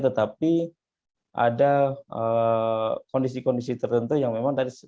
tetapi ada kondisi kondisi tertentu yang memang tadi